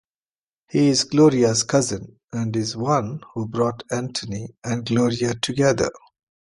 He is Gloria's cousin and is the one who brought Anthony and Gloria together.